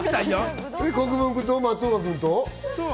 国分君と松岡君と？